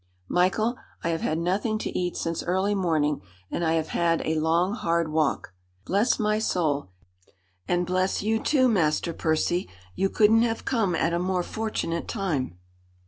"Michael, I have had nothing to eat since early morning, and I have had a long hard walk." "Bless my soul! And bless you, too, Master Percy! You couldn't have come at a more fortunate time.